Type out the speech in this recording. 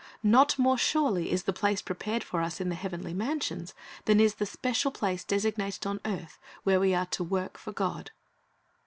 Not more surely is the place prepared for us in the heavenly mansions than is the special place designated on earth where we are to work for God.